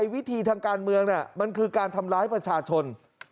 วิธีทางการเมืองมันคือการทำร้ายประชาชน